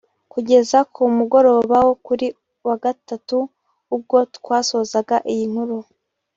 Kugeza ku mugoroba wo kuri uyu wa Gatatu ubwo twasozaga iyi nkuru